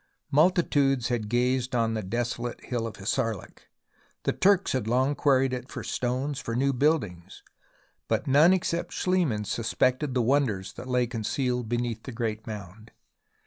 Multitudes had gazed on the desolate Hill of Hissarlik, the Turks had long quarried it for stones for new buildings, but none except SchHemann suspected the wonders that lay concealed beneath the great mound.